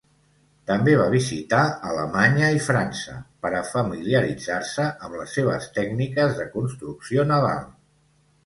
També va visitar Alemanya i França per a familiaritzar-se amb les seves tècniques de construcció naval.